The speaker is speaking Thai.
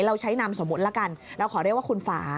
เราใช้นามสมมุติละกันเราขอเรียกว่าคุณฝา